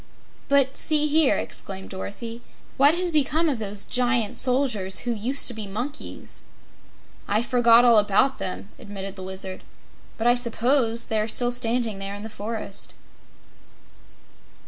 "But see here!" exclaimed Dorothy. "What has become of those Giant Soldiers who used to be monkeys?" "I forgot all about them!" admitted the Wizard; "but I suppose they are still standing there in the forest."